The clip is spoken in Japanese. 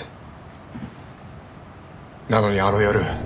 なのにあの夜。